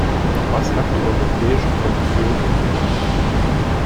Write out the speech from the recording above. Was hat die Europäische Kommission unternommen?